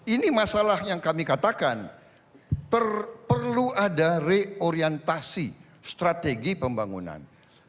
ini masalah yang kami katakan perlu ada reorientasi strategi pembangunan